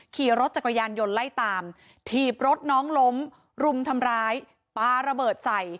ขี่รถจักรยานยนต์ไล่ตามถีบรถน้องล้มรุมทำร้ายปลาระเบิดใส่